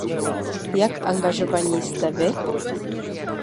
Jak angažovaní jste vy?